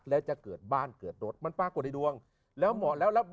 แล้วจะเกิดบ้านเกิดรถมันปรากฏในดวงแล้วเหมาะแล้วแล้ว